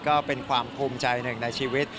ก็เป็นความภูมิใจหนึ่งในชีวิต